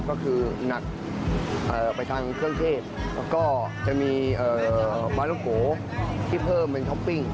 ก็คือนักไปทางเครื่องเทพก็จะมีปลาต้องโกะที่เพิ่มเป็นชอปปิ้ง